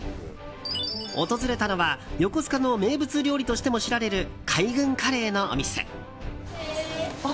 訪れたのは横須賀の名物料理としても知られる海軍カレーのお店。